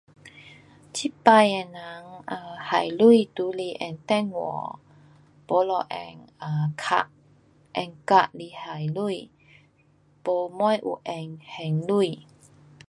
这次的人 um 花钱都是用电话。没就用 [um]card，用卡来还钱，没什有用现钱。，